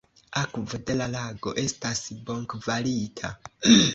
Akvo de la lago estas bonkvalita.